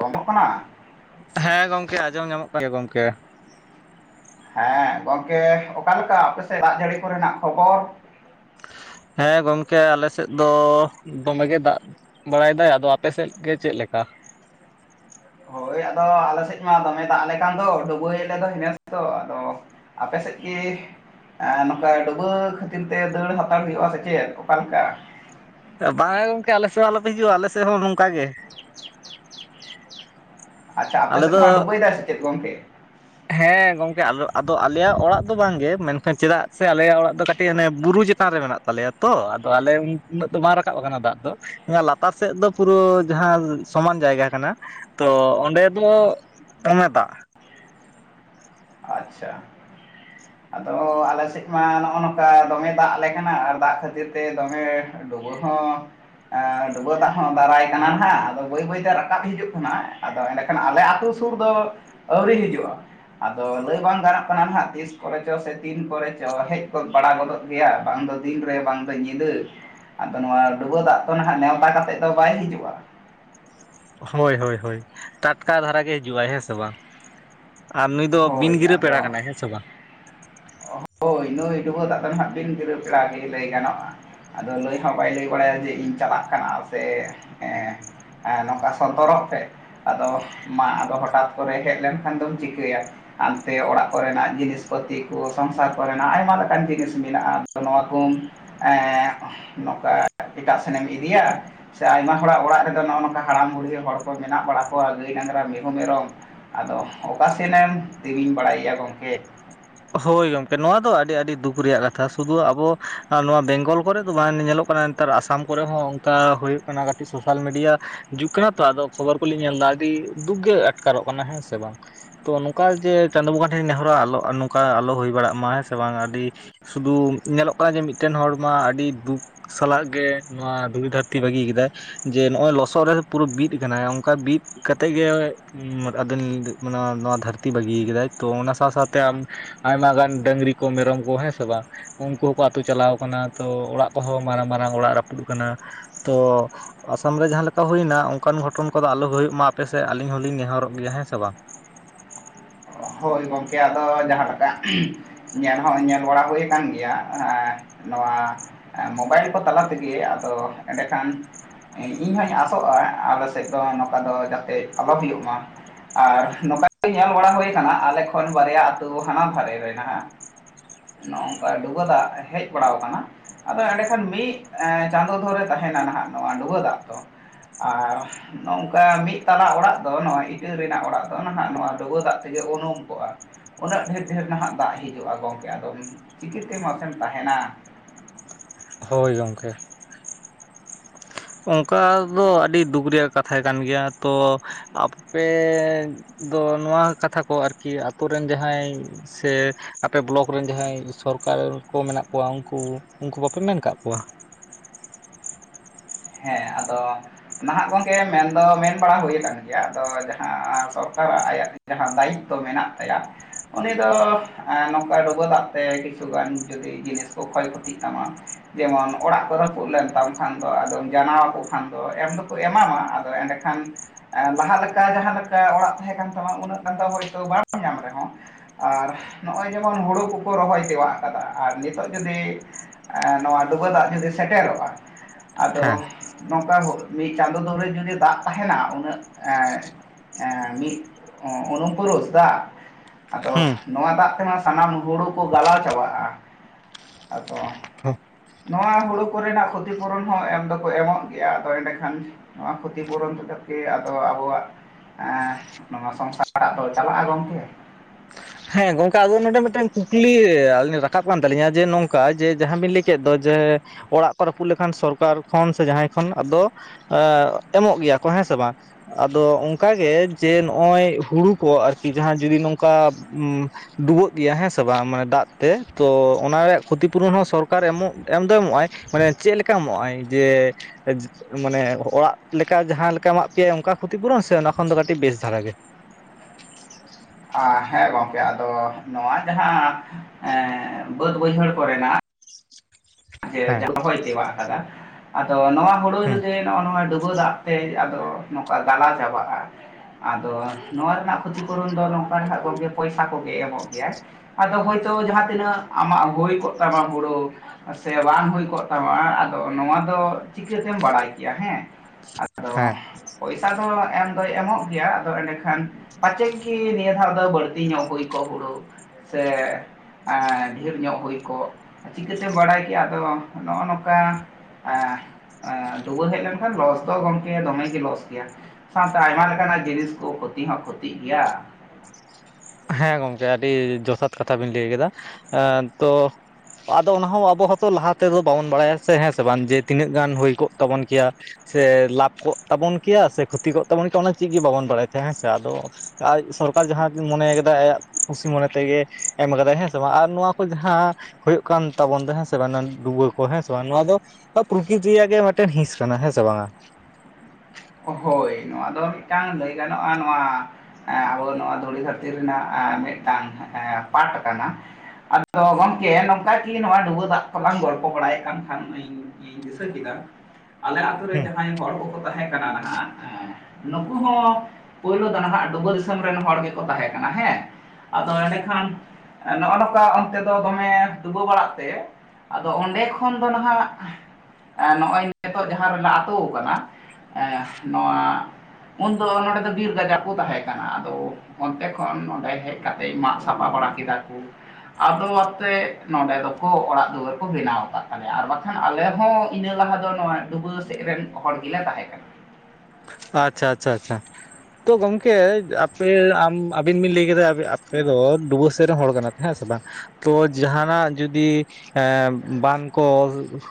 ᱨᱝᱜᱚᱜ ᱠᱟᱱᱟ᱾ ᱦᱮᱸ ᱜᱚᱝᱠᱮ ᱟᱸᱡᱚᱢ ᱧᱟᱢᱚᱜ ᱠᱟᱱ ᱜᱮᱭᱟ ᱜᱚᱝᱠᱮ᱾ ᱦᱮᱸ ᱜᱚᱝᱠᱮ ᱚᱠᱟ ᱞᱮᱠᱟ ᱟᱯᱮ ᱥᱮᱫ ᱫᱟᱜ ᱡᱟᱹᱲᱤ ᱠᱚᱨᱮᱱᱟᱜ ᱠᱷᱚᱵᱚᱨ? ᱦᱮᱸ ᱜᱚᱝᱠᱮ ᱟᱞᱮ ᱥᱮᱫ ᱫᱚᱻ ᱫᱚᱢᱮ ᱜᱮ ᱫᱟᱜ ᱵᱟᱲᱟᱭ ᱫᱟᱭ ᱟᱫᱚ ᱟᱯᱮ ᱥᱮᱫ ᱜᱮ ᱪᱮᱫ ᱞᱮᱠᱟ? ᱦᱳᱭ ᱟᱫᱚ ᱟᱞᱮ ᱥᱮᱫ ᱢᱟ ᱫᱚᱢᱮ ᱫᱟᱜ ᱟᱞᱮ ᱠᱟᱱ ᱫᱚ ᱰᱩᱵᱟᱹᱭᱮᱫ ᱞᱮᱫᱚᱭ ᱱᱮᱥ ᱫᱚ ᱟᱫᱚ ᱟᱯᱮ ᱥᱮᱡ ᱜᱮ? ᱮ ᱱᱚᱝᱠᱟ ᱰᱩᱵᱟᱹᱣ ᱠᱷᱟᱹᱛᱤᱨ ᱛᱮ ᱫᱟᱹᱲ ᱦᱟᱛᱟᱲ ᱦᱩᱭᱩᱜ-ᱟ ᱥᱮ ᱪᱮᱫ ᱚᱠᱟ ᱞᱮᱠᱟ? ᱵᱟᱝᱟ ᱜᱚᱝᱠᱮ ᱟᱞᱮ ᱥᱮᱫ ᱦᱚᱸ ᱟᱞᱚᱯᱮ ᱦᱤᱡᱩᱜ-ᱟ ᱟᱞᱮ ᱥᱮᱫ ᱦᱚᱸ ᱱᱚᱝᱠᱟ ᱜᱮ ᱟᱪᱪᱷᱟ ᱟᱯᱮ ᱟᱞᱮ ᱥᱮᱫ ᱫᱚ ᱦᱚᱸ ᱰᱩᱵᱟᱹᱭ ᱮᱫᱟᱭ ᱥᱮ ᱪᱮᱫ ᱜᱚᱝᱠᱮ? ᱦᱮᱸ ᱜᱚᱝᱠᱮ ᱟᱞᱚ ᱟᱫᱚ ᱟᱞᱮᱭᱟᱜ ᱚᱲᱟᱜ ᱫᱚ ᱵᱟᱝᱜᱮ ᱢᱮᱱᱠᱷᱟᱱ ᱪᱮᱫᱟᱜ ᱥᱮ ᱟᱞᱮᱭᱟᱜ ᱚᱲᱟᱜ ᱫᱚ ᱠᱟᱹᱴᱤᱡ ᱚᱱᱮ ᱵᱩᱨᱩ ᱪᱮᱛᱟᱱ ᱨᱮ ᱢᱮᱱᱟᱜ ᱛᱟᱞᱮᱭᱟ ᱛᱚ ᱟᱫᱚ ᱟᱞᱮ ᱩᱱᱟᱹᱜ ᱫᱚ ᱵᱟᱝ ᱨᱟᱠᱟᱵᱽ ᱟᱠᱟᱱᱟ ᱫᱟᱜ ᱫᱚ᱾ ᱚᱱᱟ ᱞᱟᱛᱟᱨ ᱥᱮᱫ ᱫᱚ ᱯᱩᱨᱟᱹ ᱡᱟᱦᱟᱸ ᱥᱚᱢᱟᱱ ᱡᱟᱭᱜᱟ ᱠᱟᱱᱟ, ᱛᱚ ᱚᱸᱰᱮ ᱫᱚ ᱫᱚᱢᱮ ᱫᱟᱜ᱾ ᱟᱪᱪᱷᱟ᱾ [inaudible] ᱟᱫᱚ ᱟᱞᱮ ᱥᱮᱫ ᱢᱟ ᱱᱚᱜ-ᱚ ᱱᱚᱝᱠᱟ ᱫᱚᱢᱮ ᱫᱟᱜ ᱟᱞᱮ ᱠᱟᱱᱟ ᱟᱨ ᱫᱟᱜ ᱠᱷᱟᱹᱛᱤᱨ ᱛᱮ ᱫᱚᱢᱮ ᱛᱩᱵᱩ ᱨᱮᱦᱚᱸ᱾ ᱮ ᱰᱩᱵᱟᱹᱣ ᱫᱟᱜ ᱦᱚᱸ ᱫᱟᱨᱟᱭ ᱠᱟᱱᱟ ᱱᱟᱦᱟᱸᱜ ᱟᱫᱚ ᱵᱟᱹᱭ ᱵᱟᱹᱭᱛᱮ ᱨᱟᱠᱟᱵᱽ ᱦᱤᱡᱩᱜ ᱠᱟᱱᱟ ᱟᱫᱚ ᱢᱮᱱᱠᱷᱟᱱ ᱟᱞᱮ ᱟᱹᱛᱩ ᱥᱩᱨ ᱫᱚ ᱟᱹᱣᱨᱤ ᱦᱤᱡᱩᱜ-ᱟ ᱟᱫᱚ ᱞᱟᱹᱭ ᱵᱟᱝ ᱜᱟᱱᱚᱜ ᱠᱟᱱᱟ ᱱᱟᱦᱟᱸᱜ ᱛᱤᱥ ᱠᱚᱨᱮ ᱪᱚ ᱥᱮ ᱛᱤᱱ ᱠᱚᱨᱮ ᱪᱚ ᱦᱮᱡ ᱵᱟᱲᱟ ᱜᱚᱫᱚᱜ ᱜᱮᱭᱟ ᱟᱨ ᱵᱟᱝ ᱫᱚ᱾ ᱫᱤᱱ ᱨᱮ ᱵᱟᱝ ᱫᱚ ᱧᱤᱫᱟᱹ, ᱟᱫᱚ ᱱᱚᱣᱟ ᱰᱩᱵᱟᱹᱣ ᱫᱟᱜ ᱫᱚ ᱱᱟᱦᱟᱸᱜ ᱱᱮᱣᱛᱟ ᱠᱟᱛᱮᱫ ᱫᱚ ᱵᱟᱭ ᱦᱤᱡᱩᱜ-ᱟ᱾ ᱦᱳᱭ ᱦᱳᱭ ᱦᱳᱭ ᱴᱟᱴᱠᱟ ᱫᱷᱟᱨᱟ ᱜᱮ ᱦᱤᱡᱩᱜ ᱟᱭ ᱦᱮᱸ ᱥᱮ ᱵᱟᱝ᱾ ᱟᱨ ᱱᱩᱭ ᱫᱚ ᱵᱤᱱ ᱦᱳᱭ ᱜᱤᱨᱟᱹ ᱯᱮᱲᱟ ᱟᱫᱚ ᱠᱟᱱᱟᱭ ᱦᱮᱸ ᱥᱮ ᱵᱟᱝ᱾ ᱦᱳᱭ ᱱᱩᱭ ᱰᱩᱵᱟᱹᱣ ᱫᱟᱜ ᱫᱚ ᱦᱟᱸᱜ ᱵᱤᱱ ᱜᱤᱨᱟᱹ ᱯᱮᱲᱟ ᱜᱮ ᱞᱟᱹᱭ ᱜᱟᱱᱚᱜ-ᱟ᱾ ᱟᱫᱚ ᱞᱟᱹᱭ ᱦᱚᱸ ᱵᱟᱭ ᱞᱟᱹᱭ ᱵᱟᱲᱟᱭᱟ ᱡᱮ ᱤᱧ ᱪᱟᱞᱟᱜ ᱠᱟᱱᱟ ᱥᱮ ᱦᱮᱸ ᱱᱚᱝᱠᱟ ᱥᱚᱱᱛᱚᱨᱚᱜ ᱯᱮ, ᱟᱫᱚ ᱢᱟ ᱟᱫᱚ ᱦᱚᱴᱟᱛ ᱠᱚᱨᱮ ᱦᱮᱡ ᱞᱮᱱᱠᱷᱟᱱ ᱫᱚᱢ ᱪᱤᱠᱟᱹᱭᱟ᱾ ᱦᱟᱱᱛᱮ ᱚᱲᱟᱜ ᱠᱚᱨᱮᱱᱟᱜ ᱡᱤᱱᱤᱥ ᱯᱟᱹᱛᱤ ᱠᱚ, ᱥᱚᱝᱥᱟᱨ ᱠᱚᱨᱮᱱᱟᱜ ᱟᱭᱢᱟ ᱞᱮᱠᱟᱱ ᱡᱤᱱᱤᱥ ᱢᱮᱱᱟᱜ-ᱟ ᱱᱚᱣᱟ ᱠᱚᱢ ᱮ ᱱᱚᱝᱠᱟ ᱮᱴᱟᱜ ᱥᱮᱱᱮᱢ ᱤᱫᱤᱭᱟ ᱥᱮ ᱟᱭᱢᱟ ᱦᱚᱲᱟᱜ ᱚᱲᱟᱜ ᱨᱮᱫᱚ ᱱᱚᱜ-ᱚ ᱱᱚᱝᱠᱟ ᱦᱟᱲᱟᱢ ᱵᱩᱲᱦᱤ ᱦᱚᱲ ᱠᱚ ᱢᱮᱱᱟᱜ ᱵᱟᱲᱟ ᱠᱚᱣᱟ ᱜᱟᱹᱭ ᱰᱟᱝᱨᱟ ᱢᱤᱦᱩ ᱢᱮᱨᱚᱢ ᱟᱫᱚ ᱚᱠᱟ ᱥᱮᱱᱮᱢ ᱛᱤᱢᱤᱧ ᱵᱟᱲᱟᱭᱮᱭᱟ ᱜᱚᱝᱠᱮ᱾ ᱦᱳᱭ ᱜᱚᱝᱠᱮ ᱱᱚᱣᱟ ᱫᱚ ᱟᱹᱰᱤ ᱟᱹᱰᱤ ᱫᱩᱠ ᱨᱮᱭᱟᱜ ᱠᱟᱛᱷᱟ, ᱥᱩᱫᱩ ᱟᱵᱚ ᱱᱚᱣᱟ ᱵᱮᱝᱜᱚᱞ ᱠᱚᱨᱮ ᱫᱚ ᱵᱟᱝ ᱧᱮᱞᱚᱜ ᱠᱟᱱᱟ ᱛᱟᱨ ᱟᱥᱟᱢ ᱠᱚᱨᱮ ᱦᱚᱸ ᱚᱝᱠᱟ ᱦᱩᱭᱩᱜ ᱠᱟᱱᱟ ᱠᱟᱹᱴᱤᱡ ᱥᱳᱥᱟᱞ ᱢᱤᱰᱤᱭᱟ ᱡᱩᱜ ᱠᱟᱱᱟ ᱛᱚ ᱟᱫᱚ ᱠᱷᱚᱵᱚᱨ ᱠᱚᱞᱤᱧ ᱧᱮᱞ ᱫᱟ ᱟᱹᱰᱤ ᱫᱩᱠ ᱜᱮ ᱟᱴᱠᱟᱨᱚᱜ ᱠᱟᱱᱟ ᱦᱮᱸᱥᱮ ᱵᱟᱝ᱾ ᱛᱚ ᱱᱚᱝᱠᱟ ᱡᱮ ᱪᱟᱸᱫᱳ ᱵᱚᱸᱜᱟ ᱴᱷᱮᱱᱤᱧ ᱱᱮᱦᱚᱨᱚᱜ-ᱟ ᱟᱞᱚ ᱱᱚᱝᱠᱟ ᱟᱞᱚ ᱦᱩᱭ ᱵᱟᱲᱟᱜ ᱢᱟ, ᱦᱮᱸ ᱥᱮ ᱵᱟᱝ ᱟᱹᱰᱤ ᱥᱩᱫᱩ ᱧᱮᱞᱚᱜ ᱠᱟᱱᱟ ᱡᱮ ᱢᱤᱫᱴᱮᱱ ᱦᱚᱲ ᱢᱟ ᱟᱹᱰᱤ ᱫᱩᱠ ᱥᱟᱞᱟᱜ ᱜᱮ ᱱᱚᱣᱟ ᱫᱷᱩᱲᱤ ᱫᱷᱟᱹᱨᱛᱤ ᱵᱟᱹᱜᱤ ᱠᱟᱫᱟᱭ᱾ ᱡᱮ ᱱᱚᱜᱚᱭ ᱞᱚᱥᱚᱫ ᱨᱮ ᱯᱩᱨᱟᱹ ᱵᱤᱫ ᱠᱟᱱᱟᱭ ᱚᱝᱠᱟ ᱵᱤᱫ ᱠᱟᱛᱮᱜ ᱜᱮ [unintelligible] ᱱᱚᱣᱟ ᱫᱷᱟᱹᱨᱛᱤ ᱵᱟᱹᱜᱤ ᱠᱟᱫᱟᱭ ᱛᱚ ᱚᱱᱟ ᱥᱟᱶ ᱥᱟᱶᱛᱮ ᱟᱢ ᱟᱭᱢᱟ ᱜᱟᱱ ᱰᱟᱝᱨᱤ ᱠᱚ ᱢᱮᱨᱚᱢ ᱠᱚ ᱦᱮᱸ ᱥᱮ ᱵᱟᱝ ᱩᱝᱠᱩ ᱦᱚᱸᱠᱚ ᱟᱛᱩ ᱪᱟᱞᱟᱣ ᱠᱟᱱᱟ, ᱛᱚ ᱚᱲᱟᱜ ᱠᱚᱦᱚᱸ ᱢᱟᱨᱟᱝ ᱢᱟᱨᱟᱝ ᱚᱲᱟᱜ ᱨᱟᱹᱯᱩᱫ ᱠᱟᱱᱟ ᱛᱚ ᱟᱥᱟᱢ ᱨᱮ ᱡᱟᱦᱟᱸ ᱞᱮᱠᱟ ᱦᱩᱭᱱᱟ ᱚᱝᱠᱟᱱ ᱜᱷᱚᱴᱚᱱ ᱠᱚᱫᱚ ᱟᱞᱚ ᱦᱳᱭᱳᱜ ᱢᱟ ᱟᱯᱮ ᱥᱮᱫ ᱟᱹᱞᱤᱧ ᱦᱚᱞᱤᱧ ᱱᱮᱦᱚᱨᱚᱜ ᱜᱮᱭᱟ ᱦᱮᱸᱥᱮ ᱵᱟᱝ᱾ ᱦᱳᱭ ᱜᱚᱝᱠᱮ ᱟᱫᱚ ᱡᱟᱦᱟᱸ ᱞᱮᱠᱟ ᱧᱮᱞ ᱦᱚᱸ ᱧᱮᱞ ᱵᱟᱲᱟ ᱦᱳᱭ ᱠᱟᱱ ᱜᱮᱭᱟ ᱮᱸ ᱱᱚᱣᱟ ᱢᱳᱵᱟᱭᱤᱞ ᱠᱚ ᱛᱟᱞᱟ ᱛᱮᱜᱮ ᱟᱫᱚ ᱮᱸᱰᱮᱠᱷᱟᱱ ᱤᱧ ᱦᱚᱧ ᱟᱥᱚᱜ-ᱟ ᱟᱞᱮ ᱥᱮᱫ ᱫᱚ ᱱᱚᱝᱠᱟ ᱫᱚ ᱡᱟᱛᱮ ᱟᱞᱚ ᱦᱩᱭᱩᱜ ᱢᱟ᱾ ᱟᱨ ᱱᱚᱝᱠᱟ ᱧᱮᱞ ᱵᱟᱲᱟ ᱦᱳᱭ ᱠᱟᱱᱟ ᱟᱞᱮ ᱠᱷᱚᱱ ᱵᱟᱨᱭᱟ ᱟᱹᱛᱳ ᱦᱟᱱᱟ ᱫᱷᱟᱨᱮ ᱨᱮ ᱱᱟᱦᱟᱜ ᱱᱚᱜᱚᱝᱠᱟ ᱰᱩᱵᱟᱹ ᱫᱟᱜ ᱦᱮᱡ ᱵᱟᱲᱟ ᱠᱟᱱᱟ᱾ ᱟᱫᱚ ᱮᱸᱰᱮᱠᱷᱟᱱ ᱢᱤᱫ ᱮᱸ ᱪᱟᱸᱫᱳ ᱫᱷᱚᱨᱮ ᱛᱟᱦᱮᱱᱟ ᱱᱟᱦᱟᱜ ᱱᱚᱣᱟ ᱰᱩᱵᱟᱹ ᱫᱟᱜ ᱫᱚ ᱟᱨ ᱱᱚᱝᱠᱟ ᱢᱤᱫ ᱛᱟᱞᱟ ᱚᱲᱟᱜ ᱫᱚ ᱱᱚᱜᱚᱭ ᱤᱴᱟᱹ ᱨᱮᱱᱟᱜ ᱚᱲᱟᱜ ᱫᱚ ᱱᱟᱦᱟᱜ ᱱᱚᱣᱟ ᱰᱩᱵᱟᱹ ᱫᱟᱜ ᱛᱮᱜᱮ ᱩᱱᱩᱢ ᱠᱚᱜ-ᱟ᱾ ᱩᱱᱟᱹᱜ ᱰᱷᱮᱨ ᱰᱷᱮᱨ ᱱᱟᱦᱟᱜ ᱫᱟᱜ ᱦᱤᱡᱩᱜ-ᱟ ᱜᱚᱝᱠᱮ ᱟᱫᱚ ᱪᱤᱠᱟᱹᱛᱮ ᱢᱟᱥᱮᱢ ᱛᱟᱦᱮᱱ-ᱟ᱾ ᱦᱳᱭ ᱜᱚᱝᱠᱮ᱾ ᱚᱝᱠᱟ ᱫᱚ ᱟᱹᱰᱤ ᱫᱩᱠ ᱨᱮᱭᱟᱜ ᱠᱟᱛᱷᱟ ᱠᱟᱱ ᱜᱮᱭᱟ, ᱛᱚ ᱟᱯᱮ ᱫᱚ ᱱᱚᱣᱟ ᱠᱟᱛᱷᱟ ᱠᱚ ᱟᱨᱠᱤ ᱟᱛᱳ ᱨᱮᱱ ᱡᱟᱦᱟᱸᱭ ᱥᱮ ᱟᱯᱮ ᱵᱞᱚᱠ ᱨᱮᱱ ᱡᱟᱦᱟᱸᱭ ᱥᱚᱨᱠᱟᱨ ᱠᱚ ᱢᱮᱱᱟᱜ ᱠᱚᱣᱟ ᱩᱝᱠᱩ ᱩᱝᱠᱩ ᱵᱟᱯᱮ ᱢᱮᱱ ᱠᱟᱜ ᱠᱚᱣᱟ? ᱦᱮᱸ ᱟᱫᱚ ᱱᱟᱦᱟᱜ ᱜᱚᱝᱠᱮ ᱢᱮᱱᱫᱚ ᱢᱮᱱ ᱵᱟᱲᱟ ᱦᱩᱭᱩ ᱠᱟᱱ ᱜᱮᱭᱟ, ᱟᱫᱚ ᱡᱟᱦᱟᱸ ᱥᱚᱨᱠᱟᱨᱟᱜ ᱟᱭᱟᱜ ᱡᱟᱦᱟᱸ ᱫᱟᱭᱤᱛᱛᱚ ᱢᱮᱱᱟᱜ ᱛᱟᱭᱟ ᱩᱱᱤ ᱫᱚ ᱮᱸ ᱱᱚᱝᱠᱟ ᱰᱩᱵᱟᱹ ᱫᱟᱜ ᱛᱮ ᱠᱤᱪᱷᱩᱜᱟᱱ ᱡᱩᱫᱤ ᱡᱤᱱᱤᱥ ᱠᱚ ᱠᱷᱚᱭ ᱠᱷᱩᱛᱤᱜ ᱛᱟᱢᱟ ᱡᱮᱢᱚᱱ ᱚᱲᱟᱜ ᱠᱚ ᱨᱟᱯᱩᱫ ᱞᱮᱱ ᱛᱟᱢ ᱠᱷᱟᱱ ᱫᱚ ᱟᱫᱚᱢ ᱡᱟᱱᱟᱣ ᱠᱷᱟᱱ ᱫᱚ ᱮᱢ ᱫᱚᱠᱚ ᱮᱢᱟᱢᱟ, ᱟᱫᱚ ᱮᱸᱰᱮ ᱠᱷᱟᱱ ᱞᱟᱦᱟ ᱞᱮᱠᱟ ᱡᱟᱦᱟᱸ ᱞᱮᱠᱟ ᱚᱲᱟᱜ ᱛᱟᱦᱮᱸ ᱠᱟᱱ ᱛᱟᱢᱟ ᱩᱱᱟᱹᱜ ᱜᱟᱱ ᱫᱚ ᱦᱳᱭᱛᱚ ᱵᱟᱢ ᱧᱟᱢ ᱨᱮᱦᱚᱸ ᱟᱨ ᱱᱚᱜᱚᱭ ᱡᱮᱢᱚᱱ ᱦᱳᱲᱳ ᱠᱚᱠᱚ ᱨᱚᱦᱚᱭ ᱛᱮᱣᱟᱜ ᱠᱟᱫᱟ ᱟᱨ ᱱᱤᱛᱳᱜ ᱡᱩᱫᱤ ᱮᱸ ᱱᱚᱣᱟ ᱰᱩᱵᱟᱹ ᱫᱟᱜ ᱡᱩᱫᱤ ᱥᱮᱴᱮᱨᱚᱜ-ᱟ ᱦᱮᱸ ᱟᱫᱚ ᱱᱚᱝᱠᱟ ᱢᱤᱫ ᱪᱟᱸᱫᱳ ᱫᱷᱚᱨᱮ ᱡᱩᱫᱤ ᱫᱟᱜ ᱛᱟᱸᱦᱮᱱᱟ ᱩᱱᱟᱹᱜ ᱮᱸ ᱮᱸ ᱢᱤᱫ ᱚᱱᱩᱯᱩᱨᱩᱥ ᱫᱟᱜ ᱟᱫᱚ ᱦᱩᱸ ᱱᱚᱣᱟ ᱫᱟᱜ ᱛᱮᱦᱚᱸ ᱥᱟᱱᱟᱢ ᱦᱩᱲᱩ ᱠᱚ ᱜᱟᱞᱟᱣ ᱪᱟᱵᱟᱜ-ᱟ ᱾ ᱟᱫᱚ ᱱᱚᱣᱟ ᱦᱳᱲᱳ ᱠᱚᱨᱮᱱᱟᱜ ᱠᱷᱚᱛᱤ ᱯᱩᱨᱚᱱ ᱦᱚᱸ ᱮᱢ ᱫᱚᱠᱚ ᱮᱢᱚᱜ ᱜᱮᱭᱟ ᱟᱫᱚ ᱮᱸᱰᱮᱠᱷᱟᱱ ᱱᱚᱣᱟ ᱠᱷᱚᱛᱤ ᱯᱩᱨᱚᱱ [unintelligible] ᱜᱮ ᱟᱫᱚ ᱟᱵᱚᱣᱟᱜ ᱮᱸ ᱱᱚᱣᱟ ᱥᱚᱝᱥᱟᱨᱟᱜ [unintelligible] ᱫᱚ ᱪᱟᱞᱟᱜ-ᱟ ᱜᱚᱝᱠᱮ? ᱦᱮᱸ ᱜᱚᱝᱠᱮ ᱟᱫᱚ ᱱᱚᱸᱰᱮ ᱢᱤᱫᱴᱮᱱ ᱠᱩᱠᱞᱤ ᱟᱹᱞᱤᱧᱟᱜ ᱨᱟᱠᱟᱵ ᱠᱟᱱ ᱛᱟᱹᱞᱤᱧᱟ ᱡᱮ ᱱᱚᱝᱠᱟ ᱡᱮ ᱡᱟᱦᱟᱸᱵᱤᱱ ᱞᱟᱹᱭ ᱠᱮᱫ ᱫᱚ ᱡᱮ ᱚᱲᱟᱜ ᱠᱚ ᱨᱟᱹᱯᱩᱫ ᱞᱮᱠᱷᱟᱱ ᱥᱚᱨᱠᱟᱨ ᱠᱷᱚᱱ ᱥᱮ ᱡᱟᱦᱟᱸᱭ ᱠᱷᱚᱱ ᱟᱫᱚ ᱮᱸ ᱮᱢᱚᱜ ᱜᱮᱭᱟ ᱠᱚ ᱦᱮᱸ ᱥᱮ ᱵᱟᱝ? ᱟᱫᱚ ᱚᱝᱠᱟᱜᱮ ᱡᱮ ᱱᱚᱜᱚᱭ ᱦᱩᱲᱩ ᱠᱚ ᱟᱨᱠᱤ ᱡᱟᱦᱟᱸ ᱡᱩᱫᱤ ᱱᱚᱝᱠᱟ ᱩᱸ ᱰᱩᱵᱟᱹᱜ ᱜᱮᱭᱟ ᱦᱮᱸᱥᱮ ᱵᱟᱝ ᱢᱟᱱᱮ ᱫᱟᱜ ᱛᱮ ᱛᱚ ᱚᱱᱟ ᱨᱮᱭᱟᱜ ᱠᱷᱚᱛᱤ ᱯᱩᱨᱚᱱ ᱦᱚᱸ ᱥᱚᱨᱠᱟᱨ ᱮᱢᱚᱜ ᱮᱢ ᱫᱚ ᱮᱢᱚᱜᱟᱭ ᱢᱟᱱᱮ ᱪᱮᱫ ᱞᱮᱠᱟ ᱮᱢᱚᱜᱟᱭ ᱡᱮ ᱢᱟᱱᱮ ᱚᱲᱟᱜ ᱞᱮᱠᱟ ᱡᱟᱸᱦᱟ ᱞᱮᱠᱟ ᱮᱢᱟᱜ ᱯᱮᱭᱟᱭ ᱚᱱᱠᱟ ᱠᱷᱚᱛᱤ ᱯᱩᱨᱚᱱ ᱥᱮ ᱚᱱᱟ ᱠᱷᱚᱱ ᱫᱚ ᱠᱟᱹᱴᱤᱡ ᱵᱮᱥ ᱫᱷᱟᱨᱟ ᱜᱮ? ᱟᱻ ᱦᱮᱸ ᱜᱚᱝᱠᱮ ᱟᱫᱚ ᱱᱚᱣᱟ ᱡᱟᱸᱦᱟ ᱵᱟᱹᱫᱽ ᱵᱟᱹᱭᱦᱟᱹᱲ ᱠᱚᱨᱮᱱᱟᱜ ᱡᱮ ᱦᱮᱸ ᱨᱚᱦᱚᱭ ᱛᱮᱣᱟᱜ ᱠᱟᱫᱟ ᱟᱫᱚ ᱱᱚᱣᱟ ᱦᱩᱲᱩ ᱦᱩᱸ ᱡᱩᱫᱤ ᱱᱚᱜᱼᱚ ᱱᱚᱣᱟ ᱰᱩᱵᱟᱹ ᱫᱟᱜ ᱛᱮ ᱟᱫᱚ ᱱᱚᱝᱠᱟ ᱜᱟᱞᱟᱣ ᱪᱟᱵᱟᱜᱼᱟ ᱾ ᱟᱫᱚ ᱱᱚᱣᱟ ᱨᱮᱱᱟᱜ ᱠᱷᱚᱛᱤ ᱯᱩᱨᱚᱱ ᱫᱚ ᱱᱚᱝᱠᱟ ᱦᱟᱜ ᱜᱚᱝᱠᱮ ᱯᱚᱭᱥᱟ ᱠᱚᱜᱮ ᱮᱢᱚᱜ ᱜᱮᱭᱟᱭ ᱟᱫᱚ ᱦᱳᱭᱛᱳ ᱡᱟᱸᱦᱟ ᱛᱤᱱᱟᱹᱜ ᱟᱢᱟᱜ ᱦᱩᱭ ᱠᱚᱜ ᱛᱟᱢᱟ ᱦᱳᱲᱳ ᱥᱮ ᱵᱟᱝ ᱦᱩᱭ ᱠᱚᱜ ᱛᱟᱢᱟ ᱟᱫᱚ ᱱᱚᱣᱟ ᱫᱚ ᱪᱤᱠᱟᱹᱛᱮᱢ ᱵᱟᱲᱟᱭ ᱠᱮᱭᱟ ᱦᱮᱸ ᱟᱫᱚ ᱦᱮᱸ ᱼ ᱯᱚᱭᱥᱟ ᱫᱚ ᱮᱢ ᱫᱚᱭ ᱮᱢᱚᱜ ᱜᱮᱭᱟ ᱟᱫᱚ ᱮᱸᱰᱮᱠᱷᱟᱱ ᱯᱟᱪᱮᱫ ᱜᱤ ᱱᱤᱭᱟᱹ ᱫᱷᱟᱣ ᱫᱚ ᱵᱟᱹᱲᱛᱤ ᱧᱚᱜ ᱦᱩᱭ ᱠᱚᱜ ᱦᱳᱲᱳ ᱥᱮ ᱰᱷᱮᱨ ᱧᱚᱜ ᱦᱩᱭ ᱠᱚᱜ ᱪᱤᱠᱟᱹ ᱛᱮᱢ ᱵᱟᱲᱟᱭ ᱠᱮᱭᱼᱟ ᱟᱫᱚ ᱱᱚᱜᱼᱚ ᱱᱚᱝᱠᱟ ᱮᱻ ᱰᱩᱵᱟᱹ ᱦᱮᱡ ᱞᱮᱱᱠᱷᱟᱱ ᱞᱚᱥ ᱫᱚ ᱜᱚᱝᱠᱮ ᱫᱚᱢᱮ ᱜᱮ ᱞᱚᱥ ᱜᱮᱭᱟ ᱾ ᱥᱟᱶᱛᱮ ᱟᱭᱢᱟ ᱞᱮᱠᱟᱱᱟᱜ ᱡᱤᱱᱤᱥ ᱠᱚ ᱠᱷᱚᱛᱤ ᱦᱚᱸ ᱠᱷᱚᱛᱤᱜ ᱜᱮᱭᱟ ᱦᱮᱸ ᱜᱚᱝᱠᱮ ᱟᱹᱰᱤ ᱡᱚᱛᱷᱟᱛ ᱠᱟᱛᱷᱟ ᱵᱤᱱ ᱞᱟᱹᱭ ᱠᱮᱫᱟ ᱮ ᱛᱚ ᱟᱫᱚ ᱚᱱᱟ ᱦᱚᱸ ᱟᱵᱚ ᱦᱚᱸ ᱛᱚ ᱞᱟᱦᱟ ᱛᱮᱫᱚ ᱵᱟᱵᱚᱱ ᱵᱟᱲᱟᱭᱟ ᱥᱮ ᱦᱮᱸ ᱥᱮ ᱵᱟᱝ ᱡᱮ ᱛᱤᱱᱟᱹᱜ ᱜᱟᱱ ᱦᱩᱭ ᱠᱚᱜ ᱛᱟᱵᱚᱱ ᱠᱮᱭᱟ? ᱥᱮ ᱞᱟᱵᱷ ᱠᱚᱜ ᱛᱟᱵᱚᱱ ᱠᱮᱭᱟ ᱥᱮ ᱠᱷᱚᱛᱤ ᱠᱚᱜ ᱛᱟᱵᱚᱱ ᱠᱮᱭᱟ ᱚᱱᱟ ᱪᱤᱜ ᱜᱤ ᱵᱟᱵᱚᱱ ᱵᱟᱲᱟᱭ ᱛᱟᱦᱮᱸᱜ ᱦᱮᱸ ᱥᱮ ᱟᱫᱚ ᱟᱡ ᱥᱚᱨᱠᱟᱨ ᱡᱟᱦᱟᱸ ᱢᱚᱱᱮ ᱠᱟᱫᱟᱭ ᱟᱭᱟᱜ ᱠᱩᱥᱤ ᱢᱚᱱᱮ ᱛᱮᱜᱮ ᱮᱢ ᱠᱟᱫᱟᱭ ᱦᱮᱸ ᱥᱮ ᱵᱟᱝ ᱟᱨ ᱱᱚᱣᱟ ᱠᱚ ᱡᱟᱦᱟᱸ ᱦᱳᱭᱳᱜ ᱠᱟᱱ ᱛᱟᱵᱚᱱ ᱫᱚ ᱦᱮᱸ ᱥᱮ ᱵᱟᱝ ᱰᱩᱵᱟᱹ ᱠᱚ ᱦᱮᱸ ᱥᱮ ᱵᱟᱝ ᱱᱚᱣᱟ ᱫᱚ ᱯᱨᱚᱠᱤᱛᱤᱭᱟᱜ ᱜᱮ ᱢᱤᱫᱴᱮᱱ ᱦᱤᱸᱥ ᱠᱟᱱᱟ ᱦᱮᱸ ᱥᱮ ᱵᱟᱝᱼᱟ? ᱦᱳᱭ ᱾ ᱱᱚᱣᱟ ᱫᱚ ᱢᱤᱜᱴᱟᱝ ᱞᱟᱹᱭ ᱜᱟᱱᱚᱜᱼᱟ ᱱᱚᱣᱟ ᱮ ᱟᱵᱚ ᱱᱚᱣᱟ ᱫᱷᱩᱲᱤ ᱫᱷᱟᱹᱨᱛᱤ ᱨᱮᱱᱟᱜ ᱢᱤᱜᱴᱟᱝ ᱯᱟᱴᱷ ᱠᱟᱱᱟ ᱾ ᱟᱫᱚ ᱜᱚᱢᱠᱮ ᱱᱚᱝᱠᱟ ᱠᱤ ᱱᱚᱣᱟ ᱰᱩᱵᱟᱹ ᱫᱟᱜ ᱠᱚᱞᱟᱝ ᱜᱚᱞᱯᱚ ᱵᱟᱲᱟᱭᱮᱫ ᱠᱟᱱ ᱠᱷᱟᱱ ᱤᱧ ᱫᱤᱥᱟᱹ ᱠᱮᱫᱟ ᱟᱞᱮ ᱟᱛᱳ ᱨᱮ ᱦᱩᱸ ᱡᱟᱦᱟᱸᱭ ᱦᱚᱲ ᱠᱚ ᱠᱚ ᱛᱟᱦᱮᱸ ᱠᱟᱱᱟ ᱱᱟᱸᱦᱟᱜ ᱱᱩᱠᱩ ᱦᱚᱸ ᱯᱳᱭᱞᱳ ᱫᱚ ᱱᱟᱦᱟᱜ ᱰᱩᱵᱟᱹ ᱫᱤᱥᱚᱢ ᱨᱮᱱ ᱦᱚᱲ ᱜᱮᱠᱚ ᱛᱟᱦᱮᱸ ᱠᱟᱱᱟ ᱦᱮᱸ ᱟᱫᱚ ᱮᱸᱰᱮᱠᱷᱟᱱ ᱱᱚᱜᱼᱚ ᱱᱚᱝᱠᱟ ᱚᱱᱛᱮ ᱫᱚ ᱫᱚᱢᱮ ᱰᱩᱵᱟᱹ ᱵᱟᱲᱟᱜ ᱛᱮ ᱟᱫᱚ ᱚᱸᱰᱮ ᱠᱷᱚᱱ ᱫᱚ ᱱᱟᱦᱟᱜ ᱱᱚᱜᱼᱚᱭ ᱱᱤᱛᱚᱜ ᱡᱟᱦᱟᱸ ᱢᱤᱜᱴᱟᱝ ᱟᱹᱛᱩ ᱠᱟᱱᱟ ᱮᱸ ᱱᱚᱣᱟ ᱩᱱᱫᱚ ᱱᱚᱸᱰᱮ ᱫᱚ ᱵᱤᱨ ᱜᱟᱡᱟᱲ ᱠᱩ ᱛᱟᱦᱮᱸ ᱠᱟᱱᱟ ᱟᱫᱚ ᱚᱱᱛᱮ ᱠᱷᱚᱱ ᱱᱚᱸᱰᱮ ᱦᱮᱡ ᱠᱟᱛᱮ ᱢᱟᱜ ᱥᱟᱯᱟ ᱵᱟᱲᱟ ᱠᱮᱫᱟ ᱠᱚ ᱟᱫᱚ ᱟᱛᱮ ᱱᱚᱸᱰᱮ ᱫᱚ ᱠᱚ ᱚᱲᱟᱜ ᱫᱩᱣᱟᱹᱨ ᱠᱚ ᱵᱮᱱᱟᱣ ᱠᱟᱫ ᱛᱟᱞᱮᱭᱟ ᱟᱨ ᱵᱟᱠᱷᱟᱱ ᱟᱞᱮ ᱦᱚᱸ ᱤᱱᱟᱹ ᱞᱟᱦᱟ ᱫᱚ ᱱᱚᱣᱟ ᱰᱩᱵᱟᱹ ᱛᱮᱜᱮᱞᱮᱱ ᱦᱚᱲ ᱜᱮᱞᱮ ᱛᱟᱦᱮᱸ ᱠᱟᱱᱟ ᱾ ᱟᱪᱪᱷᱟ ᱟᱪᱪᱷᱟ ᱟᱪᱪᱷᱟ ᱾ ᱛᱚ ᱜᱚᱝᱠᱮ ᱟᱯᱮ ᱟᱢ ᱟᱵᱤᱱ ᱵᱤᱱ ᱞᱟᱹᱭ ᱠᱮᱫᱟ ᱟᱯᱮ ᱫᱚ ᱰᱩᱵᱟᱹ ᱥᱮᱜ ᱨᱮᱱ ᱦᱚᱲ ᱠᱟᱱᱟ ᱯᱮ ᱦᱮᱸ ᱥᱮ ᱵᱟᱝ ᱛᱚ ᱡᱟᱦᱟᱱᱟᱜ ᱡᱩᱫᱤ ᱮᱸ ᱵᱟᱱ ᱠᱚ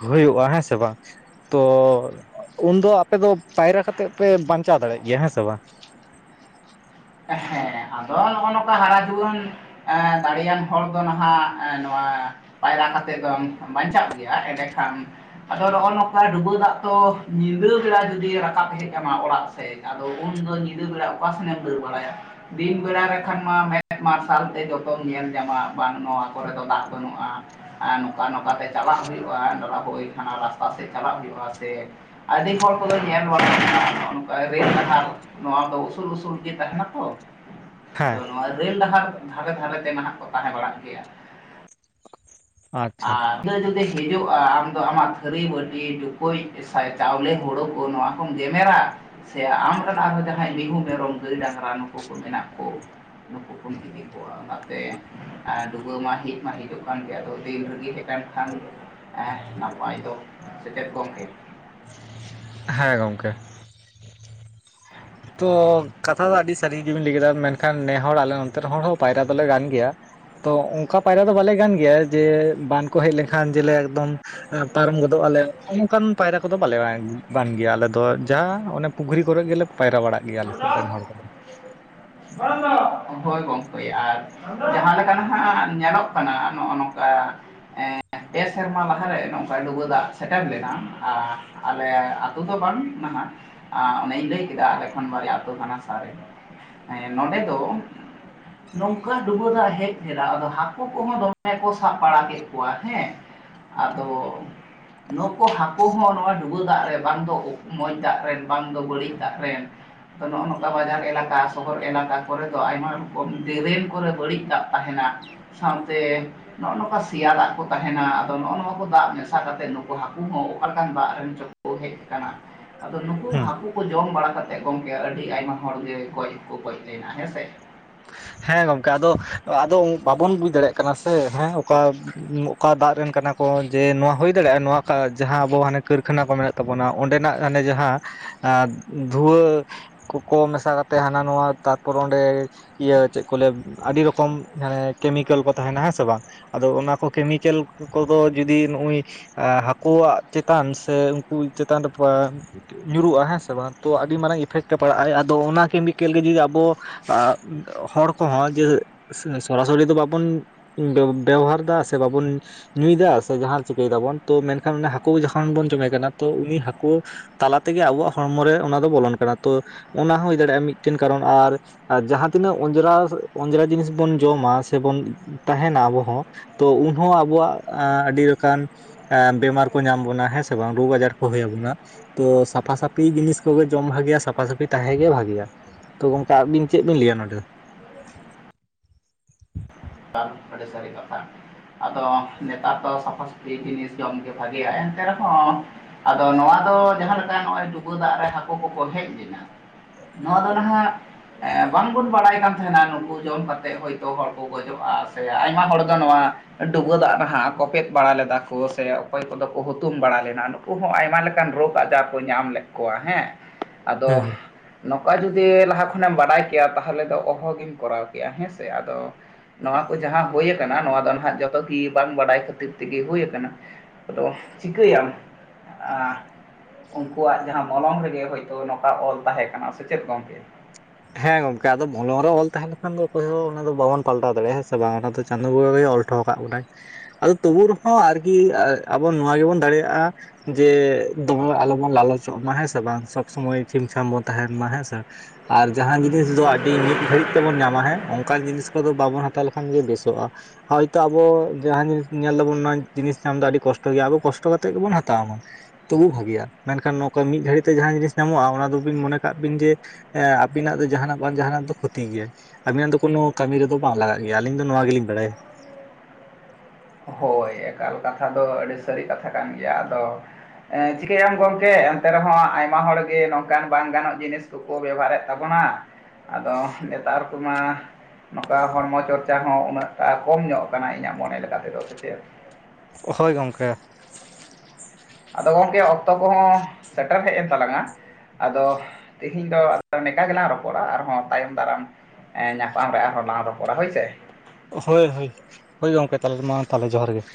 ᱦᱩᱭᱩᱜᱼᱟ ᱦᱮᱸ ᱥᱮ ᱵᱟᱝ ᱛᱚ ᱩᱱᱫᱚ ᱟᱯᱮ ᱫᱚ ᱯᱟᱭᱨᱟ ᱠᱟᱛᱮᱜ ᱯᱮ ᱵᱟᱧᱪᱟᱣ ᱫᱟᱲᱮᱜ ᱜᱮᱭᱟ ᱦᱮᱸ ᱥᱮ ᱵᱟᱝ? ᱮᱸ ᱦᱮᱸ ᱟᱫᱚ ᱱᱚᱼᱚ ᱱᱚᱝᱠᱟ ᱦᱟᱨᱟ ᱡᱩᱣᱟᱹᱱ ᱮᱸ ᱫᱟᱲᱮᱭᱟᱱ ᱦᱚᱲ ᱫᱚ ᱱᱟᱦᱟᱜ ᱱᱚᱣᱟᱼᱼ ᱯᱟᱭᱨᱟ ᱠᱟᱛᱮᱜ ᱫᱚᱢ ᱵᱟᱧᱪᱟᱜ ᱜᱮᱭᱟ ᱮᱸᱰᱮᱠᱷᱟᱱᱼᱼ ᱟᱫᱚ ᱱᱚᱼᱚ ᱱᱚᱝᱠᱟ ᱰᱩᱵᱟᱹ ᱫᱟᱜ ᱛᱚ ᱧᱤᱫᱟᱹ ᱵᱮᱲᱟ ᱡᱩᱫᱤ ᱨᱟᱠᱟᱵ ᱦᱮᱡ ᱟᱢᱟ ᱚᱲᱟᱜ ᱥᱮᱫᱼᱼ ᱟᱫᱚ ᱩᱱᱫᱚ ᱧᱤᱫᱟᱹ ᱵᱮᱲᱟ ᱚᱠᱟ ᱥᱮᱱ ᱮᱢ ᱫᱟᱹᱲ ᱵᱟᱲᱟᱭᱟ ᱾ ᱫᱤᱱ ᱵᱮᱲᱟ ᱨᱮᱠᱷᱟᱱ ᱢᱟ ᱢᱮᱫ ᱢᱟᱨᱥᱟᱞ ᱛᱮ ᱡᱚᱛᱚᱢ ᱧᱮᱞ ᱧᱟᱢᱟ ᱵᱟᱝ ᱱᱚᱣᱟ ᱠᱚᱨᱮ ᱫᱚ ᱫᱟᱜᱽ ᱵᱟᱹᱱᱩᱜᱼᱟ ᱾ ᱮᱸ ᱱᱚᱝᱠᱟ ᱱᱚᱝᱠᱟ ᱛᱮ ᱪᱟᱞᱟᱜ ᱦᱩᱭᱩᱜᱼᱟ ᱟᱫᱚ ᱵᱟᱠᱚ ᱦᱩᱭᱩᱜ ᱠᱷᱟᱱ ᱨᱟᱥᱛᱟ ᱥᱮᱫ ᱪᱟᱞᱟᱜ ᱦᱩᱭᱩᱜᱼᱟ ᱥᱮᱼᱼ ᱟᱹᱰᱤ ᱦᱚᱲ ᱠᱚᱫᱚ ᱧᱮᱞ ᱵᱟᱲᱟ [unintelligible] ᱦᱚᱜ ᱚᱝᱠᱟ ᱨᱮᱞ [unintelligible] ᱱᱚᱣᱟ ᱫᱚ ᱩᱥᱩᱞ ᱩᱥᱩᱞ ᱜᱮ ᱛᱟᱦᱮᱱᱟ ᱛᱚ ᱾ ᱦᱮᱸ ᱾ ᱱᱚᱣᱟ ᱨᱮᱞ ᱰᱟᱦᱟᱨ ᱫᱷᱟᱨᱮ ᱫᱷᱟᱨᱮ ᱛᱮ ᱱᱟᱦᱟᱜ ᱠᱚ ᱛᱟᱦᱮᱸ ᱵᱟᱲᱟᱜ ᱜᱮᱭᱟ ᱾ ᱟᱪᱪᱷᱟ ᱟᱨ ᱤᱱᱟᱹ ᱡᱩᱫᱤ ᱦᱤᱡᱩᱜᱼᱟ ᱟᱢᱫᱚ ᱟᱢᱟᱜ ᱛᱷᱟᱹᱨᱤ ᱵᱟᱹᱴᱤ ᱴᱩᱠᱩᱡᱼᱼ ᱟᱨ ᱪᱟᱣᱞᱮ ᱦᱩᱲᱩ ᱠᱚ ᱱᱚᱣᱟ ᱠᱚᱢ ᱜᱮᱢᱮᱨᱟ ᱾ ᱥᱮ ᱟᱢ ᱨᱮᱱ ᱟᱨᱦᱚᱸ ᱡᱟᱦᱟᱸᱭ ᱢᱤᱦᱩ ᱢᱮᱨᱚᱢ ᱜᱟᱹᱭ ᱰᱟᱝᱨᱟ ᱱᱩᱠᱩ ᱠᱚ ᱢᱮᱱᱟᱜ ᱠᱚ ᱱᱩᱠᱩᱢ ᱤᱫᱤᱼᱼ ᱠᱚᱣᱟ ᱚᱱᱟᱛᱮ ᱟᱸ ᱰᱩᱵᱟᱹ ᱢᱟ ᱦᱮᱡ ᱢᱟ ᱦᱤᱡᱚᱜ ᱠᱟᱱ ᱜᱮᱭᱟ ᱟᱫᱚᱼᱼ ᱫᱤᱞ ᱨᱤᱜᱤ [unintelligible] ᱠᱷᱟᱱ ᱮ ᱱᱟᱯᱟᱭ ᱫᱚ ᱥᱮ ᱪᱮᱫ ᱜᱚᱝᱠᱮ, ᱦᱮᱸ ᱜᱚᱝᱠᱮ ᱾ ᱛᱚ ᱠᱟᱛᱷᱟ ᱫᱚ ᱟᱹᱰᱤ ᱥᱟᱹᱨᱤ ᱜᱤᱵᱮᱱ ᱞᱟᱹᱭ ᱠᱮᱫᱟ ᱢᱮᱱᱠᱷᱟᱱ ᱱᱮ ᱦᱚᱲ ᱟᱞᱮ ᱚᱱᱛᱮ ᱨᱮᱱ ᱦᱚᱲ ᱦᱚᱸ ᱯᱟᱭᱨᱟ ᱫᱚᱞᱮ ᱜᱟᱱ ᱜᱮᱭᱟ ᱾ ᱛᱚ ᱚᱱᱠᱟ ᱯᱟᱭᱨᱟ ᱫᱚ ᱵᱟᱞᱮ ᱜᱟᱱ ᱜᱮᱭᱟ ᱡᱮ ᱵᱟᱱ ᱠᱚ ᱦᱮᱡ ᱞᱮᱱᱠᱷᱟᱱ ᱡᱮᱞᱮ ᱮᱠᱫᱚᱢ, ᱮ ᱯᱟᱨᱚᱢ ᱜᱚᱫᱚᱜ ᱟᱞᱮ ᱱᱚᱝᱠᱟᱱ ᱯᱟᱭᱨᱟ ᱠᱚᱫᱚ ᱵᱟᱞᱮ [inaudible] ᱜᱮᱭᱟ ᱟᱞᱮ ᱫᱚ ᱡᱟ ᱚᱱᱮ ᱯᱩᱠᱷᱨᱤ ᱠᱚᱨᱮ ᱜᱮᱞᱮᱼᱼ ᱯᱟᱭᱨᱟ ᱵᱟᱲᱟᱜ ᱜᱮᱭᱟ ᱟᱞᱮ ᱥᱮᱫ ᱨᱮᱱ ᱦᱚᱲ ᱠᱚᱫᱚ ᱾ ᱵᱟᱝᱼᱟ, ᱦᱳᱭ ᱜᱚᱝᱠᱮ ᱟᱨ ᱡᱟᱦᱟᱸ ᱞᱮᱠᱟ ᱱᱟᱦᱟᱜ ᱧᱮᱞᱚᱜ ᱠᱟᱱᱟ ᱱᱚᱜᱼᱚ ᱱᱚᱝᱠᱟ ᱾ ᱮᱸ ᱯᱮ ᱥᱮᱨᱢᱟ ᱞᱟᱦᱟᱨᱮ ᱱᱚᱝᱠᱟ ᱰᱩᱵᱟᱹ ᱫᱟᱜ ᱥᱮᱴᱮᱨ ᱞᱮᱱᱟ ᱟᱨᱼᱼ ᱟᱞᱮ ᱟᱹᱛᱩ ᱫᱚ ᱵᱟᱝ ᱱᱟᱦᱟᱜ ᱟᱸ ᱚᱱᱮᱧ ᱞᱟᱹᱭ ᱠᱮᱫᱟ ᱟᱞᱮ ᱠᱷᱚᱱ ᱵᱟᱨᱭᱟ ᱟᱹᱛᱩ ᱦᱟᱱᱟ ᱥᱟᱨᱮ ᱾ ᱮᱸ ᱱᱚᱱᱰᱮ ᱫᱚᱼᱼ ᱱᱚᱝᱠᱟ ᱰᱩᱵᱟᱹ ᱫᱟᱜ ᱦᱮᱡ ᱞᱮᱱᱟ ᱟᱫᱚ ᱦᱟᱹᱠᱩ ᱠᱚᱦᱚᱸ ᱫᱚᱢᱮ ᱠᱚ ᱥᱟᱵ ᱵᱟᱲᱟ ᱠᱮᱫ ᱠᱚᱣᱟ ᱦᱮᱸ ᱾ ᱟᱫᱚ ᱱᱩᱠᱩ ᱦᱟᱹᱠᱩ ᱦᱚᱸ ᱱᱚᱣᱟ ᱰᱩᱵᱟᱹ ᱫᱟᱜ ᱨᱮ ᱵᱟᱝ ᱫᱚ ᱢᱚᱡᱽ ᱫᱟᱜ ᱨᱮᱱ ᱵᱟᱝ ᱫᱚ ᱵᱟᱹᱲᱤᱡ ᱫᱟᱜ ᱨᱮᱱᱼᱼ ᱱᱚᱜᱼᱚ ᱱᱚᱝᱠᱟ ᱵᱟᱡᱟᱨ ᱮᱞᱟᱠᱟ ᱥᱚᱦᱚᱨ ᱮᱞᱟᱠᱟ ᱠᱚᱨᱮᱼᱼ ᱟᱭᱢᱟ ᱨᱚᱠᱚᱢ ᱰᱮᱨᱮᱱ ᱠᱚᱨᱮ ᱵᱟᱹᱲᱤᱡ ᱫᱟᱜ ᱛᱟᱦᱮᱱᱟ ᱥᱟᱶᱛᱮᱼᱼ ᱱᱚᱼᱚ ᱱᱚᱝᱠᱟ ᱥᱮᱭᱟ ᱫᱟᱜ ᱠᱚ ᱛᱟᱦᱮᱱᱟ ᱱᱚᱜᱼᱚ ᱱᱚᱣᱟ ᱠᱚ ᱫᱟᱜ ᱢᱮᱥᱟ ᱠᱟᱛᱮᱜ ᱱᱩᱠᱩ ᱦᱟᱹᱠᱩ ᱦᱚᱸ ᱚᱠᱟ ᱞᱮᱠᱟᱱ ᱫᱟᱜ ᱨᱮᱢ ᱪᱟᱼᱼ ᱠᱚ ᱦᱮᱡ ᱠᱟᱱᱟ, ᱟᱫᱚ ᱱᱩᱠᱩ ᱦᱟᱹᱠᱩ ᱠᱚ ᱡᱚᱢ ᱵᱟᱲᱟ ᱠᱟᱛᱮᱫ ᱜᱚᱝᱠᱮ ᱟᱹᱰᱤ ᱟᱭᱢᱟ ᱦᱚᱲᱜᱮ ᱜᱚᱡᱠᱚ ᱜᱚᱡ ᱞᱮᱱᱟ ᱦᱮᱸ ᱥᱮ ᱾ ᱦᱮᱸ ᱜᱚᱝᱠᱮ ᱟᱫᱚ ᱟᱫᱚ ᱵᱟᱵᱚᱱ ᱵᱩᱡ ᱫᱟᱲᱮᱭᱟᱜ ᱠᱟᱱᱟ ᱥᱮ ᱦᱮᱸ ᱚᱱᱠᱟᱼᱼ ᱚᱠᱟ ᱫᱟᱜ ᱨᱮᱱ ᱠᱟᱱᱟ ᱠᱚ ᱡᱮ ᱱᱚᱣᱟ ᱦᱩᱭ ᱫᱟᱲᱮᱭᱟᱜᱼᱟ ᱱᱚᱣᱟ ᱡᱟᱦᱟᱸ ᱟᱵᱚ ᱦᱟᱱᱮ ᱠᱟᱹᱨᱠᱷᱟᱱᱟ ᱠᱚ ᱢᱮᱱᱮᱜ ᱛᱟᱵᱚᱱᱟ ᱚᱸᱰᱮᱱᱟᱜ ᱚᱱᱮ ᱡᱟᱦᱟᱸ ᱫᱷᱩᱣᱟᱹᱼᱼ ᱠᱚᱠᱚ ᱢᱮᱥᱟ ᱠᱟᱛᱮᱜ ᱦᱟᱱᱟ ᱱᱚᱣᱟ ᱛᱟᱨᱯᱚᱨ ᱚᱸᱰᱮᱼᱼ ᱤᱭᱟᱹ ᱪᱮᱫ ᱠᱚ ᱞᱟᱹ ᱟᱹᱰᱤ ᱨᱚᱠᱚᱢ ᱜᱷᱟᱱᱮ ᱠᱮᱢᱤᱠᱮᱞ ᱠᱚ ᱛᱟᱦᱮᱱᱟ ᱦᱮᱸ ᱥᱮ ᱵᱟᱝ ᱾ ᱟᱫᱚ ᱚᱱᱟ ᱠᱚ ᱠᱮᱢᱤᱠᱮᱞ ᱠᱚᱫᱚ ᱡᱩᱫᱤ ᱱᱩᱜ- ᱩᱭ ᱟᱸ ᱦᱟᱹᱠᱩᱣᱟᱜ ᱪᱮᱛᱟᱱ ᱥᱮ ᱩᱱᱠᱩ ᱪᱮᱛᱟᱱ ᱨᱮ ᱛᱷᱚᱲᱟᱼᱼ ᱧᱩᱨᱩᱜᱼᱟ ᱦᱮᱸ ᱥᱮ ᱵᱟᱝ ᱛᱚ ᱟᱹᱰᱤ ᱢᱟᱨᱟᱝ ᱤᱯᱷᱮᱠᱴ ᱮ ᱯᱟᱲᱟᱜ ᱟᱭ ᱟᱫᱚ ᱚᱱᱟ ᱠᱮᱢᱤᱠᱮᱞ ᱨᱮᱜᱤ ᱟᱵᱚ ᱟᱸᱼᱼ ᱦᱚᱲ ᱠᱚᱦᱚᱸ ᱡᱮ ᱥᱮ ᱥᱚᱨᱟᱥᱚᱨᱤ ᱫᱚ ᱵᱟᱵᱚᱱᱼᱼ ᱵᱮᱵᱚᱦᱟᱨ ᱫᱟ ᱥᱮ ᱵᱟᱵᱩᱱ ᱧᱩᱭᱮᱫᱟ ᱥᱮ ᱡᱟᱦᱟᱸ ᱪᱤᱠᱟᱹᱭ ᱫᱟᱵᱚᱱ ᱛᱚ ᱢᱮᱱᱠᱷᱟᱱ ᱦᱟᱹᱠᱩ ᱡᱚᱠᱷᱚᱱ ᱵᱚᱱ ᱡᱚᱢᱮ ᱠᱟᱱᱟ ᱛᱚ ᱩᱱᱤ ᱦᱟᱹᱠᱩ ᱛᱟᱞᱟ ᱛᱮᱜᱮ ᱟᱵᱚᱣᱟᱜ ᱦᱚᱲᱢᱚ ᱨᱮ ᱚᱱᱟ ᱫᱚ ᱵᱚᱞᱚᱱ ᱠᱟᱱᱟ ᱛᱚ ᱚᱱᱟ ᱦᱚᱸ ᱦᱩᱭ ᱫᱟᱲᱮᱭᱟᱜᱼᱟ ᱢᱤᱫᱴᱮᱱ ᱠᱟᱨᱚᱱ ᱟᱨ ᱡᱟᱦᱟᱸ ᱛᱤᱱᱟᱹᱜ ᱚᱸᱡᱽᱨᱟ ᱚᱸᱡᱽᱨᱟ ᱡᱤᱱᱤᱥ ᱵᱚᱱ ᱡᱚᱢᱟ ᱥᱮᱵᱚᱱ ᱛᱟᱦᱮᱱᱟ ᱟᱵᱚ ᱦᱚᱸ ᱛᱚ ᱩᱱᱦᱚᱸ ᱟᱵᱚᱣᱟᱜ ᱟ-ᱟᱹᱰᱤ ᱞᱮᱠᱟᱱ ᱵᱮᱢᱟᱨ ᱠᱚ ᱧᱟᱢ ᱵᱚᱱᱟ ᱦᱮᱸ ᱥᱮ ᱵᱟᱝ ᱨᱳᱜᱽ ᱟᱡᱟᱨ ᱠᱚ ᱦᱩᱭ ᱟᱵᱚᱱᱟ ᱾ ᱛᱚ ᱥᱟᱯᱷᱟ ᱥᱟᱹᱯᱷᱤ ᱡᱤᱱᱤᱥ ᱠᱚᱜᱮ ᱡᱚᱢ ᱵᱷᱟᱜᱮᱭᱟ ᱥᱟᱯᱷᱟ ᱥᱟᱹᱯᱷᱤ ᱛᱟᱦᱮᱸ ᱜᱮ ᱵᱷᱟᱜᱮᱭᱟ ᱾ ᱛᱚ ᱜᱚᱝᱠᱮ ᱟᱵᱤᱱ ᱪᱮᱫ ᱵᱤᱱ ᱞᱟᱹᱭᱟ ᱱᱚᱰᱮ ᱫᱚ? ᱠᱟᱱ ᱟᱹᱰᱤ ᱥᱟᱹᱨᱤ ᱠᱟᱛᱷᱟ ᱾ ᱟᱫᱚ ᱱᱮᱛᱟᱨ ᱫᱚ ᱥᱟᱯᱷᱟ ᱥᱟᱯᱷᱤ ᱡᱤᱱᱤᱥ ᱡᱚᱢᱜᱮ ᱵᱷᱟᱜᱮᱭᱟ ᱮᱱᱛᱮ ᱨᱮᱦᱚᱸ ᱟᱫᱚ ᱱᱚᱣᱟ ᱫᱚ ᱡᱟᱦᱟᱸ ᱞᱮᱠᱟ ᱱᱚᱜᱼᱚᱭ ᱰᱩᱵᱟᱹ ᱫᱟᱜ ᱨᱮ ᱦᱟᱹᱠᱩ ᱠᱚᱠᱚ ᱦᱮᱡ ᱞᱮᱱᱟ ᱾ ᱱᱚᱣᱟ ᱫᱚ ᱱᱟᱦᱟᱜ ᱵᱟᱝᱵᱚᱱ ᱵᱟᱲᱟᱭ ᱠᱟᱱ ᱛᱟᱦᱮᱸᱱᱟ ᱱᱩᱠᱩ ᱡᱚᱢ ᱠᱟᱛᱮᱜ ᱦᱳᱭᱛᱳ ᱦᱚᱲ ᱜᱚᱡᱩᱜᱼᱟ, ᱥᱮ ᱟᱭᱢᱟ ᱦᱚᱲ ᱫᱚ ᱱᱚᱣᱟ ᱰᱩᱵᱟᱹ ᱫᱟᱜ ᱨᱮ ᱦᱟᱸᱜ ᱠᱚᱯᱮᱫ ᱵᱟᱲᱟ ᱞᱮᱫᱟ ᱠᱚ ᱥᱮ, ᱚᱠᱚᱭ ᱠᱚᱫᱚ ᱠᱚ ᱦᱩᱛᱩᱢ ᱵᱟᱲᱟ ᱞᱮᱱᱟ ᱠᱩ ᱾ ᱩᱱᱠᱩ ᱦᱚᱸ ᱟᱭᱢᱟ ᱞᱮᱠᱟᱱ ᱨᱳᱜᱽ ᱟᱡᱟᱨ ᱠᱚ ᱧᱟᱢ ᱞᱮᱫ ᱠᱚᱣᱟ ᱦᱮᱸ ᱾ [inaudible] ᱟᱫᱚ ᱱᱚᱝᱠᱟ ᱡᱩᱫᱤ ᱞᱟᱦᱟ ᱠᱷᱚᱱᱮᱢ ᱵᱟᱰᱟᱭ ᱠᱮᱭᱟ, ᱛᱟᱦᱚᱞᱮ ᱫᱚ ᱚᱦᱚ ᱜᱮᱢ ᱠᱚᱨᱟᱣ ᱠᱮᱭᱟ ᱦᱮᱸ ᱥᱮ ᱟᱫᱚ ᱱᱚᱣᱟ ᱠᱚ ᱡᱟᱦᱟᱸ ᱦᱩᱭ ᱠᱟᱱᱟ ᱱᱚᱣᱟ ᱫᱚ ᱱᱟᱦᱟᱜ ᱡᱚᱛᱚ ᱜᱤ ᱵᱟᱝ ᱵᱟᱰᱟᱭ ᱠᱷᱟᱹᱛᱤᱨ ᱛᱮᱜᱮ ᱦᱩᱭ ᱠᱟᱱᱟ ᱾ ᱟᱫᱚ ᱪᱤᱠᱟᱹᱭᱟᱢ ᱟ ᱩᱱᱠᱩᱣᱟᱜ ᱡᱟᱦᱟᱸ ᱢᱚᱞᱚᱝ ᱨᱮᱜᱮ ᱦᱳᱭᱛᱳ ᱱᱚᱝᱠᱟ ᱚᱞ ᱛᱟᱦᱮᱸ ᱠᱟᱱᱟ ᱥᱮᱪᱮᱫ ᱜᱚᱝᱠᱮ? ᱦᱮᱸ ᱜᱚᱢᱠᱮ ᱟᱫᱚ ᱢᱚᱞᱚᱝ ᱨᱮ ᱚᱞ ᱛᱟᱦᱮᱸ ᱞᱮᱱᱠᱷᱟᱱ ᱫᱚ ᱚᱠᱚᱭ ᱦᱚᱸ ᱚᱱᱟ ᱫᱚ ᱵᱟᱱᱚᱱ ᱯᱟᱞᱴᱟᱣ ᱫᱟᱲᱮᱭᱟᱜᱼᱟ, ᱦᱮᱸ ᱥᱮ ᱵᱟᱝ ᱚᱱᱟ ᱫᱚ ᱪᱟᱸᱫᱳ ᱵᱚᱸᱜᱟ ᱜᱮ ᱚᱞ ᱴᱷᱚ ᱟᱠᱟᱫ ᱵᱚᱱᱟᱭ ᱟᱫᱚ ᱛᱚᱵᱩ ᱨᱮᱦᱚᱸ ᱟᱨᱠᱤ ᱟᱵᱚ ᱱᱚᱣᱟ ᱜᱮᱵᱚᱱ ᱫᱟᱲᱮᱭᱟᱜᱼᱟ ᱡᱮ ᱫᱚᱢᱮ ᱟᱞᱚᱵᱚᱱ ᱞᱟᱞᱚᱪᱚᱜ ᱢᱟ ᱦᱮᱸ ᱥᱮ ᱵᱟᱝ, ᱥᱚᱵ ᱥᱚᱢᱚᱭ ᱪᱷᱤᱢᱪᱷᱟᱢ ᱵᱚᱱ ᱛᱟᱦᱮᱸᱱ ᱢᱟ ᱦᱮᱸᱥᱮ ᱾ ᱟᱨ ᱡᱟᱦᱟᱸ ᱡᱤᱱᱤᱥ ᱫᱚ ᱟᱹᱰᱤ ᱢᱤᱫ ᱜᱷᱟᱹᱲᱤᱡ ᱛᱮᱵᱚᱱ ᱧᱟᱢᱟ ᱦᱮᱸ, ᱚᱱᱠᱟᱱ ᱡᱤᱱᱤᱥ ᱠᱚᱫᱚ ᱵᱟᱵᱚᱱ ᱦᱟᱛᱟᱣ ᱞᱮᱠᱷᱟᱱ ᱜᱮ ᱵᱮᱥᱚᱜᱼᱟ ᱾ ᱦᱳᱭᱛᱳ ᱟᱵᱚ ᱡᱟᱦᱟᱸ ᱡᱤᱱᱤᱥ ᱧᱮᱞ ᱫᱟᱵᱚᱱ ᱱᱚᱣᱟ ᱡᱤᱱᱤᱥ ᱧᱟᱢ ᱫᱚ ᱟᱹᱰᱤ ᱠᱚᱥᱴᱚ ᱜᱮᱭᱟ, ᱟᱵᱚ ᱠᱚᱥᱴᱚ ᱠᱟᱛᱮᱜ ᱜᱮᱵᱚᱱ ᱦᱟᱛᱟᱣ ᱢᱟ ᱾ ᱛᱚᱵᱩ ᱵᱷᱟᱜᱤᱭᱟ, ᱢᱮᱱᱠᱷᱟᱱ ᱱᱚᱝᱠᱟ ᱢᱤᱫ ᱜᱷᱟᱹᱲᱤᱡ ᱛᱮ ᱡᱟᱦᱟᱸ ᱡᱤᱱᱤᱥ ᱧᱟᱢᱚᱜᱼᱟ, ᱚᱱᱟ ᱫᱚᱵᱤᱱ ᱢᱚᱱᱮ ᱠᱟᱜ ᱵᱤᱱ ᱡᱮ ᱦᱮᱸ ᱟᱹᱵᱤᱱᱟᱜ ᱫᱚ ᱡᱟᱦᱟᱸᱱᱟᱜ ᱵᱟᱝ ᱡᱟᱦᱟᱸᱱᱟᱜ ᱫᱚ ᱠᱷᱚᱛᱤ ᱜᱮᱭᱟᱭ ᱾ ᱟᱹᱵᱤᱱᱟᱜ ᱫᱚ ᱠᱳᱱᱳ ᱠᱟᱹᱢᱤ ᱨᱮᱫᱚ ᱵᱟᱝ ᱞᱟᱜᱟᱜ ᱜᱮᱭᱟ, ᱟᱹᱞᱤᱧ ᱫᱚ ᱱᱚᱣᱟ ᱜᱮᱞᱤᱧ ᱵᱟᱲᱟᱭᱟ ᱾ ᱦᱳᱭ᱾ ᱮᱠᱟᱞ ᱠᱟᱛᱷᱟ ᱫᱚ ᱟᱹᱰᱤ ᱥᱟᱹᱨᱤ ᱠᱟᱛᱷᱟ ᱠᱟᱱ ᱜᱮᱭᱟ ᱟᱫᱚ ᱮᱸᱻ ᱪᱤᱠᱟᱹᱭᱟᱢ ᱜᱚᱢᱠᱮ ᱮᱱᱛᱮ ᱨᱮᱦᱚᱸ ᱟᱭᱢᱟ ᱦᱚᱲ ᱜᱮ ᱱᱚᱝᱠᱟᱱ ᱵᱟᱝ ᱜᱟᱱᱚᱜ ᱡᱤᱱᱤᱥ ᱛᱩ ᱠᱚ ᱵᱮᱵᱷᱟᱨᱮᱫ ᱛᱟᱵᱚᱱᱟ ᱟᱫᱚ ᱱᱮᱛᱟᱨ ᱠᱚᱢᱟ ᱱᱚᱝᱠᱟ ᱦᱚᱲᱢᱚ ᱪᱚᱨᱪᱟ ᱦᱚᱸ ᱩᱱᱟᱹᱜᱴᱟ ᱠᱚᱢ ᱧᱚᱜ ᱠᱟᱱᱟ ᱤᱧᱟᱹᱜ ᱢᱚᱱᱮ ᱞᱮᱠᱟ ᱛᱮᱫᱚ ᱥᱮ ᱪᱮᱫ? ᱦᱳᱭ ᱜᱚᱢᱠᱮ ᱾ ᱟᱫᱚ ᱜᱚᱝᱠᱮ ᱚᱠᱛᱚ ᱠᱚᱦᱚᱸ ᱥᱮᱴᱮᱨ ᱦᱮᱡ ᱮᱱ ᱛᱟᱞᱟᱝ-ᱟ᱾ ᱟᱫᱚ ᱛᱮᱦᱤᱧ ᱫᱚ ᱱᱮᱝᱠᱟ ᱜᱮᱞᱟᱝ ᱨᱚᱯᱚᱲᱟ ᱟᱨᱦᱚᱸ ᱛᱟᱭᱚᱢ ᱫᱟᱨᱟᱢ, ᱧᱟᱯᱟᱢ ᱨᱮ ᱟᱨᱦᱚᱸ ᱞᱟᱝ ᱨᱚᱯᱚᱲᱟ ᱦᱳᱭ ᱥᱮ ᱾ ᱦᱳᱭ-ᱦᱳᱭ, ᱦᱳᱭ ᱜᱚᱢᱠᱮ ᱛᱟᱦᱚᱞᱮ ᱢᱟ ᱛᱟᱦᱚᱞᱮ ᱡᱚᱦᱟᱨ ᱜᱮ ᱾